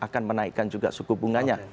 akan menaikkan juga suku bunganya